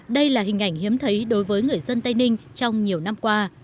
đây là hình ảnh hiếm thấy đối với người dân tây ninh trong nhiều năm qua